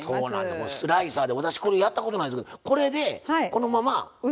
このスライサーで私これやったことないんですけどこれでこのまま皮のとこ持って。